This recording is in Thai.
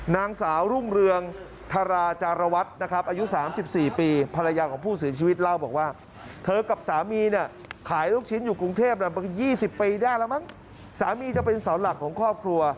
ผ่ายลูกชิ้นอยู่กรุงเทพฯบางประมาณ๒๐ปีได้แล้วมั้งสามีจะเป็นเหล่าสาวหลักของครอบครัว